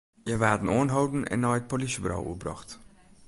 Hja waarden oanholden en nei it polysjeburo oerbrocht.